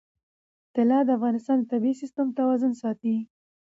طلا د افغانستان د طبعي سیسټم توازن ساتي.